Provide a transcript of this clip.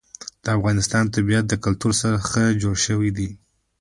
د افغانستان طبیعت له کلتور څخه جوړ شوی دی.